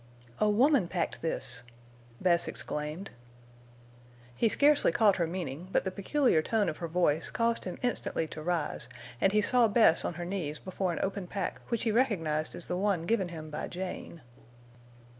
"A woman packed this!" Bess exclaimed. He scarcely caught her meaning, but the peculiar tone of her voice caused him instantly to rise, and he saw Bess on her knees before an open pack which he recognized as the one given him by Jane.